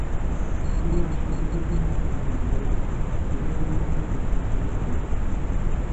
Тире аша үтеп инмәй торған матдәләр тире боҙолғанда уның аша еңел үтә.